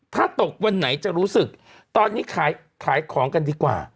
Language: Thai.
ถ้าตกวันไหนจะรู้สึกตอนนี้ขายของกันดีกว่า